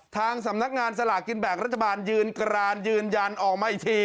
ทางสำนักงานสลากกินแบ่งรัฐบาลยืนกรานยืนยันออกมาอีกที